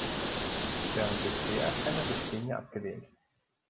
Wir haben bisher keine Richtlinie abgelehnt.